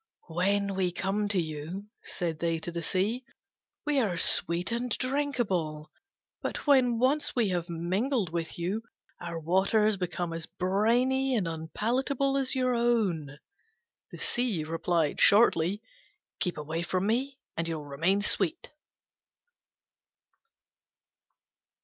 "When we come to you," said they to the Sea, "we are sweet and drinkable: but when once we have mingled with you, our waters become as briny and unpalatable as your own." The Sea replied shortly, "Keep away from me and you'll remain sweet."